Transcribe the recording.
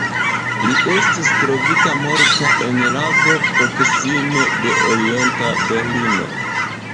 Li estis trovita morta en lago proksime de Orienta Berlino.